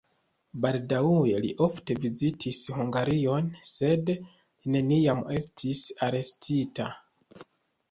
Baldaŭe li ofte vizitis Hungarion, sed li neniam estis arestita.